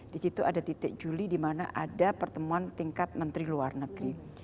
di situ ada titik juli di mana ada pertemuan tingkat menteri luar negeri